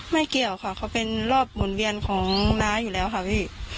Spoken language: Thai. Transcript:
เกี่ยวค่ะเขาเป็นรอบหมุนเวียนของน้าอยู่แล้วค่ะพี่